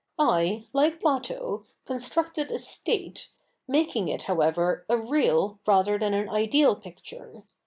1, like Plato, constructed a state, making it, however, a real rather than an ideal picture.